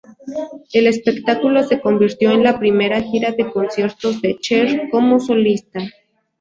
El espectáculo se convirtió en la primera gira de conciertos de Cher como solista.